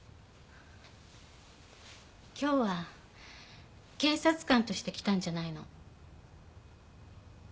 今日は警察官として来たんじゃないの。